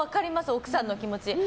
奥さんの気持ち。